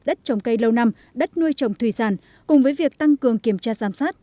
đất trồng cây lâu năm đất nuôi trồng thủy sản cùng với việc tăng cường kiểm tra giám sát